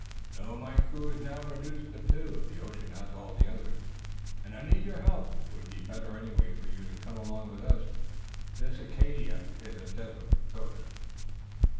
"No, my crew is now reduced to two the ocean has all the others and I need your help. It would be better anyway for you to come along with us. This Acadia is a desolate coast."